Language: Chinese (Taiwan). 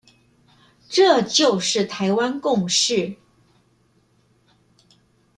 這就是台灣共識